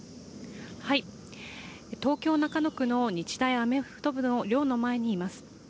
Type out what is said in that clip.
東京・中野区の日大アメフト部の寮の前にいます。